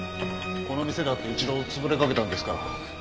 この店だって一度潰れかけたんですから。